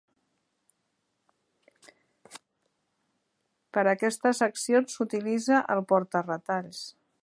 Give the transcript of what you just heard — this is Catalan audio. Per a aquestes accions s'utilitza el porta-retalls.